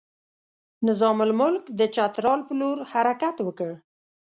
نظام الملک د چترال پر لور حرکت وکړ.